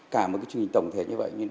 cả một cái chương trình tổng thể như vậy